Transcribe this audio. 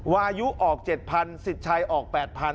อายุออก๗๐๐สิทธิ์ชัยออก๘๐๐